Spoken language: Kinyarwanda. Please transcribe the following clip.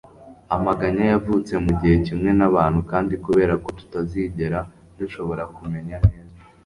Amaganya yavutse mugihe kimwe n'abantu. Kandi kubera ko tutazigera dushobora kumenya neza,